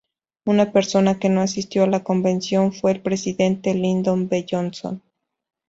Una persona que no asistió a la convención fue el Presidente Lyndon B. Johnson.